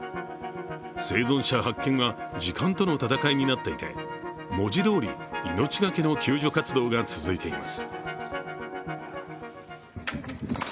生存者発見は時間との闘いになっていて、文字どおり命懸けの救助活動が続いています。